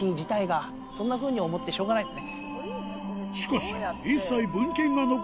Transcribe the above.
そんなふうに思ってしょうがないです。